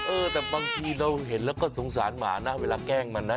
เออแต่บางทีเราเห็นแล้วก็สงสารหมานะเวลาแกล้งมันนะ